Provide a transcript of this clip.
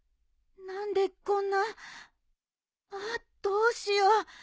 何でこんなあどうしよう。